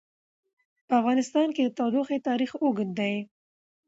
په افغانستان کې د تودوخه تاریخ اوږد دی.